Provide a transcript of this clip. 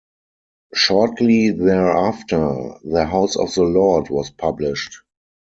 Shortly thereafter, "The House of the Lord" was published.